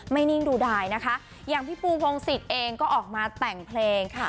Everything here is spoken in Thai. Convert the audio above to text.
นิ่งดูดายนะคะอย่างพี่ปูพงศิษย์เองก็ออกมาแต่งเพลงค่ะ